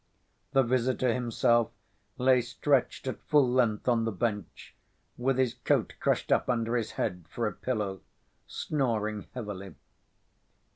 The visitor himself lay stretched at full length on the bench, with his coat crushed up under his head for a pillow, snoring heavily.